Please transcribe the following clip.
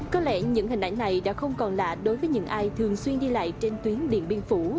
có lẽ những hình ảnh này đã không còn lạ đối với những ai thường xuyên đi lại trên tuyến điện biên phủ